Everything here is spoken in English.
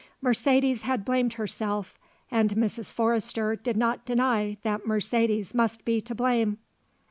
Mercedes had blamed herself and Mrs. Forrester did not deny that Mercedes must be to blame.